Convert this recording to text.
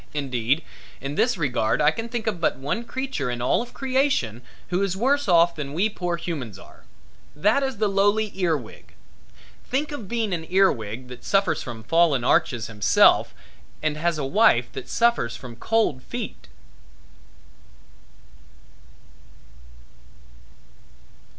Indeed in this regard I can think of but one creature in all creation who is worse off than we poor humans are. That is the lowly ear wig. Think of being an ear wig, that suffers from fallen arches himself and has a wife that suffers from cold feet!